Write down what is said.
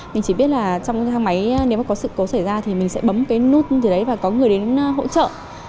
mình chỉ biết là trong cái thang máy nếu có sự cố xảy ra thì mình sẽ bấm cái nút như thế đấy và có người đến hỗ trợ